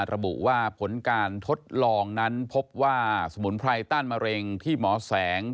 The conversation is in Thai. ระบุว่าผลการทดลองนั้นพบว่าสมุนไพรต้านมะเร็งที่หมอแสง